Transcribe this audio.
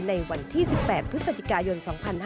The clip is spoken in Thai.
ในวันที่๑๘พฤศจิกายน๒๕๕๙